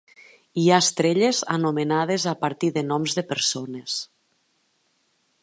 Hi ha estrelles anomenades a partir de noms de persones.